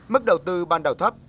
mức đầu tư ban đầu thấp